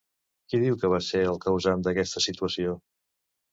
Qui diu que va ser el causant d'aquesta situació?